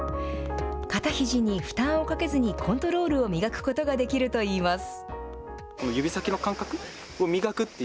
肩ひじに負担をかけずに、コントロールを磨くことができるといいます。